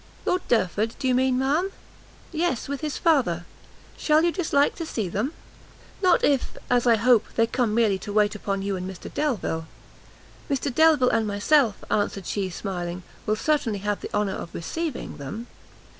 "Lord Derford, do you mean, ma'am?" "Yes, with his father; shall you dislike to see them?" "Not if, as I hope, they come merely to wait upon you and Mr Delvile." "Mr Delvile and myself," answered she smiling, "will certainly have the honour of receiving them."